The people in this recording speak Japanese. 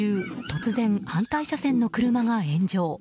突然、反対車線の車が炎上。